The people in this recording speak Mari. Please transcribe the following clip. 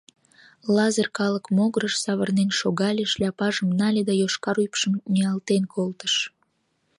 Лазыр калык могырыш савырнен шогале, шляпажым нале да йошкар ӱпшым ниялтен колтыш.